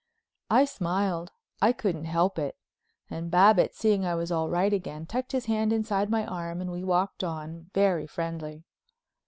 I smiled, I couldn't help it, and Babbitts, seeing I was all right again, tucked his hand inside my arm and we walked on, very friendly.